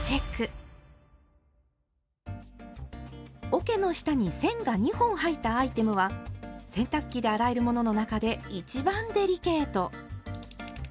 おけの下に線が２本入ったアイテムは洗濯機で洗えるものの中で一番デリケート。